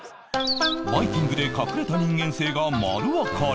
バイキングで隠れた人間性が丸わかり